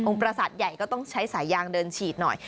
ประสาทใหญ่ก็ต้องใช้สายยางเดินฉีดหน่อย